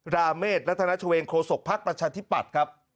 ราเมฆรัฐนาชาเวงโครสกพรรคประชาธิบัติครับ